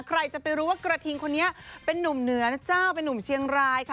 ใครจะไปรู้ว่ากระทิงคนนี้เป็นนุ่มเหนือนะเจ้าเป็นนุ่มเชียงรายค่ะ